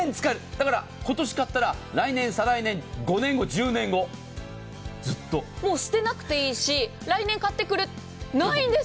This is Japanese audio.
だから今年買ったら来年、再来年５年後、１０年後もう捨てなくていいし来年買ってくれないんです。